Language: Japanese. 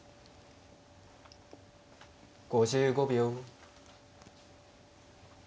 ５５秒。